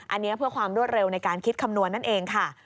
อันนี้เพื่อความรวดเร็วในการคิดคำนวณนั่นเองค่ะ